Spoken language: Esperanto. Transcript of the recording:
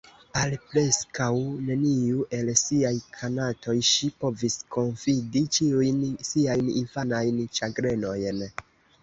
Al preskaŭ neniu el siaj konatoj ŝi povis konfidi ĉiujn siajn infanajn ĉagrenojn.